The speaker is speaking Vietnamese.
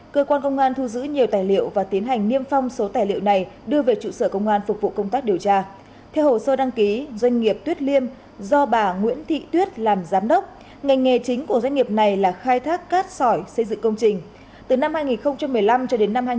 cơ quan cảnh sát điều tra công an tp huế vừa ra quyết định khởi tố vụ án về tội in phất hành